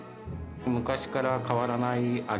昔から変わらない味。